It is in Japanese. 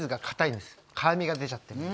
辛みが出ちゃってる。